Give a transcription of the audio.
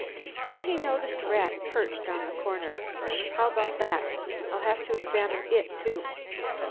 Then he noticed Rat perched in the corner. "How about that? I'll have to examine it, too."